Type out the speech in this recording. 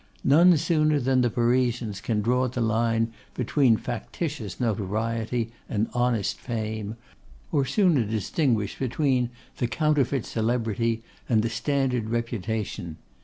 None sooner than the Parisians can draw the line between factitious notoriety and honest fame; or sooner distinguished between the counterfeit celebrity and the standard reputation.